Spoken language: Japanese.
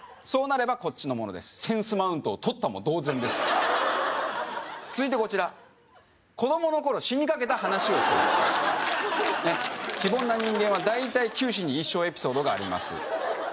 そうなればこっちのものですセンスマウントを取ったも同然です続いてこちら子供の頃死にかけた話をする非凡な人間は大体九死に一生エピソードがあります